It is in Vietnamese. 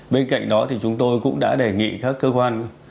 bên cạnh đó thì chúng tôi cũng đã đề nghị các cơ quan